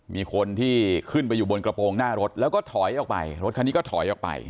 มีคนที่ขึ้นไปอยู่บนกระโปรงหน้ารถรถคันนี้ก็ถอยออกไป